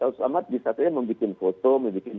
abdul somad disatunya membuat foto membuat